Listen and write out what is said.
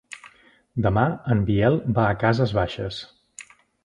Demà en Biel va a Cases Baixes.